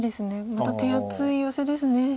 また手厚いヨセですね。